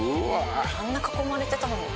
「あんな囲まれてたのに」